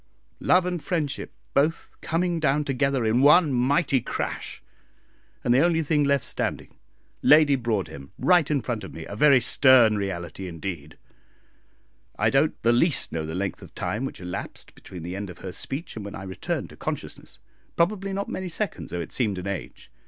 Love and friendship both coming down together in one mighty crash, and the only thing left standing Lady Broadhem right in front of me a very stern reality indeed. I don't the least know the length of time which elapsed between the end of her speech and when I returned to consciousness probably not many seconds, though it seemed an age.